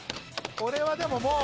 これはでももう。